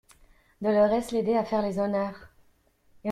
Dolorès l'aidait à faire les honneurs.